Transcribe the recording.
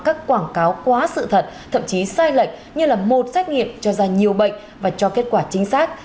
các quảng cáo quá sự thật thậm chí sai lệch như là một xét nghiệm cho ra nhiều bệnh và cho kết quả chính xác